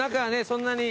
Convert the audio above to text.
そんなに。